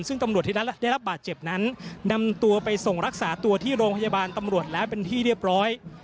ซึ่งตำรวจที่ได้รับบาดเจ็บนั้นนำตัวไปส่งรักษาตัวที่โรงพยาบาลตำรวจแล้วเป็นที่เรียบร้อย